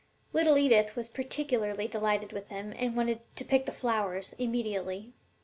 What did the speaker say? Little Edith was particularly delighted with them, and wanted to "pick the flowers" immediately.